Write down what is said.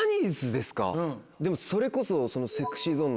でもそれこそ。